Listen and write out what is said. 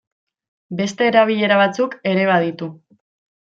Beste erabilera batzuk ere baditu.